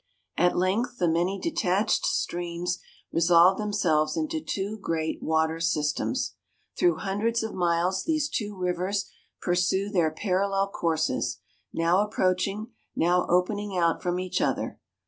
At length the many detached streams resolve themselves into two great water systems. Through hundreds of miles these two rivers pursue their parallel courses, now approaching, now opening out from each other.